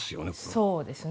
そうですね。